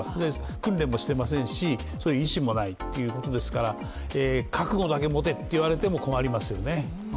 訓練もしていませんし、その意思もないということですから覚悟だけ持てと言われても困りますよね。